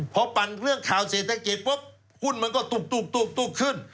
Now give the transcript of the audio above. พอปั่นเรื่องข่าวเศรษฐกิจปุ๊บหุ้นมันก็ตุ๊บขึ้น